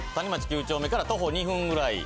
九丁目から徒歩２分ぐらい。